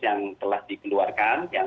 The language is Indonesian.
yang telah dikeluarkan yang